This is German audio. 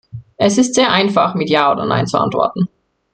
Es ist sehr einfach, mit Ja oder Nein zu antworten.